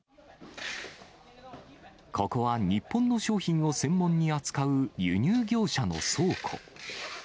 ここは日本の商品を専門に扱う輸入業者の倉庫。